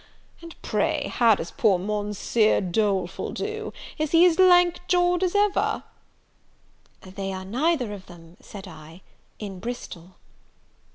And pray how does poor Monseer Doleful do? Is he as lank jawed as ever?" "They are neither of them," said I, "in Bristol."